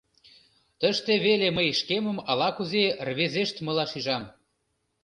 Тыште веле мый шкемым ала-кузе рвезештмыла шижам.